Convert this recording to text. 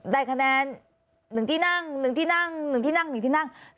ได้คะแนน๑ที่นั่ง๑ที่นั่ง๑ที่นั่ง๑ที่นั่ง